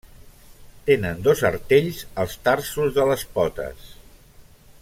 Tenen dos artells als tarsos de les potes.